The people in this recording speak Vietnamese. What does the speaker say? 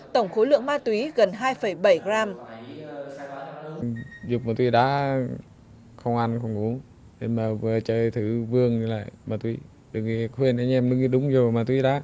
tổng khối lượng ma túy gần hai bảy gram